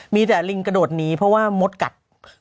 มีแต่ลิงกระโดดหนีเพราะว่ามดกัด